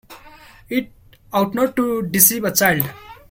It ought not to deceive a child.